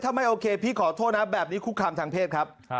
ถ้าไม่โอเคพี่ขอโทษนะแบบนี้คุกคามทางเพศครับ